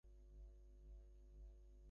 আহা, ওর গাছটা রেখে দাও।